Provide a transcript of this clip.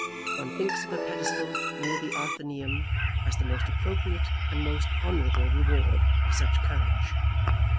One thinks of a pedestal near the Athenaeum as the most appropriate and most honourable reward of such courage.